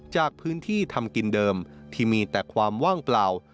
จากพื้นที่ทำกินเดิมที่มีแต่ความว่างเปล่า